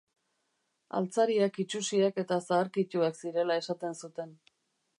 Altzariak itsusiak eta zaharkituak zirela esaten zuten.